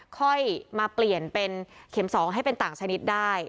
ค่อยมาเปลี่ยนเป็นเข็ม๒ให้เป็นต่างชนิดได้